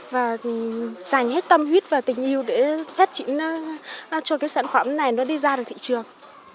và dành hết tâm huyết và tình yêu để phát triển cho cái sản phẩm này nó đi ra được thị trường